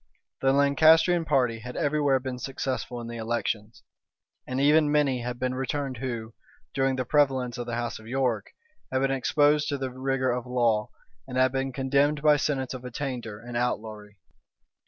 The Lancastrian party had every where been successful in the elections; and even many had been returned who, during the prevalence of the house of York, had been exposed to the rigor of law, and had been condemned by sentence of attainder and outlawry.